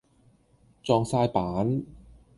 撞哂板